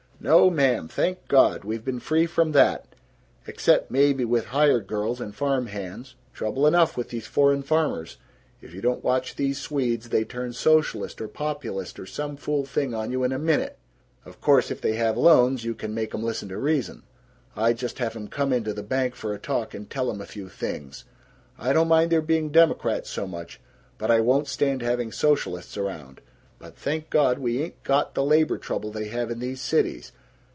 "No, ma'am, thank God, we've been free from that, except maybe with hired girls and farm hands. Trouble enough with these foreign farmers; if you don't watch these Swedes they turn socialist or populist or some fool thing on you in a minute. Of course, if they have loans you can make 'em listen to reason. I just have 'em come into the bank for a talk, and tell 'em a few things. I don't mind their being democrats, so much, but I won't stand having socialists around. But thank God, we ain't got the labor trouble they have in these cities.